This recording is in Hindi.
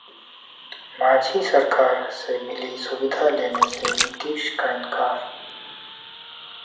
मांझी सरकार से मिली सुविधा लेने से नीतीश का इनकार